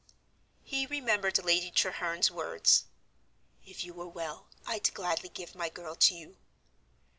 He remembered Lady Treherne's words, "If you were well, I'd gladly give my girl to you."